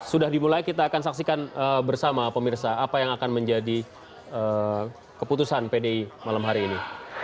sudah dimulai kita akan saksikan bersama pemirsa apa yang akan menjadi keputusan pdi malam hari ini